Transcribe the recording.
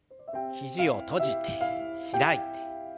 肘を閉じて開いて。